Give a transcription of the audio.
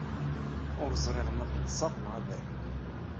Ur ẓriɣ ma ad ḍseɣ neɣ ad rfuɣ.